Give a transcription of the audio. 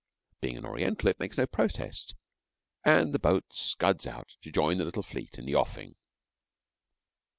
Being an Oriental it makes no protest, and the boat scuds out to join the little fleet in the offing.